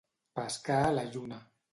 Pescar a la lluna.